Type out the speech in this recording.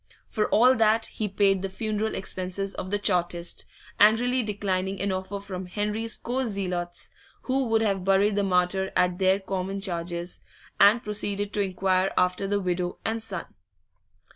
For all that, he paid the funeral expenses of the Chartist angrily declining an offer from Henry's co zealots, who would have buried the martyr at their common charges and proceeded to inquire after the widow and son.